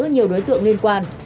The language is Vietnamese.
nhiều đối tượng liên quan